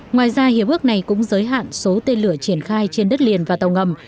ngoài ra hiệp ước này cũng giới hạn số tên lửa triển khai trên đất liền và tàu ngầm